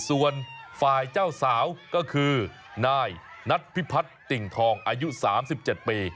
ส่วนฝ่ายเจ้าสาวก็คือนายนัทพิพัฒน์ติ่งทองอายุ๓๗ปี